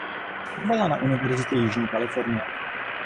Studovala na Univerzitě Jižní Kalifornie.